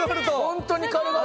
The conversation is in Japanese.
本当に軽々と。